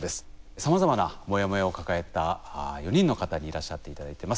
さまざまなモヤモヤを抱えた４人の方にいらっしゃって頂いてます。